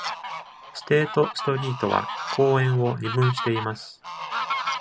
ステート・ストリートは公園を二分しています。